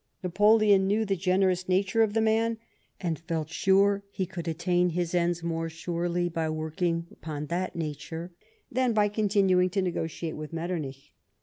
Napoleon knew the generous nature of the man, and felt sure he could attain his ends more surely by working upon that nature, than by con tinuing to negotiate with Mctternich.